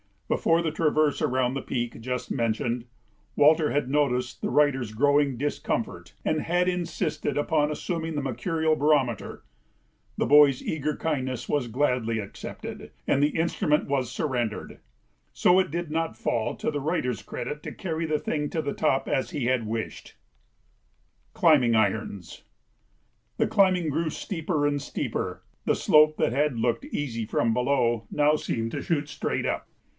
Before the traverse around the peak just mentioned, Walter had noticed the writer's growing discomfort and had insisted upon assuming the mercurial barometer. The boy's eager kindness was gladly accepted and the instrument was surrendered. So it did not fall to the writer's credit to carry the thing to the top as he had wished. [Sidenote: Climbing Irons] The climbing grew steeper and steeper; the slope that had looked easy from below now seemed to shoot straight up.